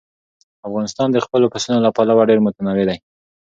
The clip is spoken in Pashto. افغانستان د خپلو پسونو له پلوه ډېر متنوع دی.